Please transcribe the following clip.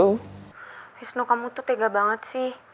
wisnu kamu tuh tega banget sih